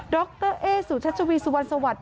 ดรเอสุชัชวีสวัสดีสวัสดี